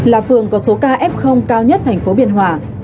là phường có số ca f cao nhất thành phố biên hòa